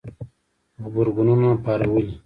غبرګونونه پارولي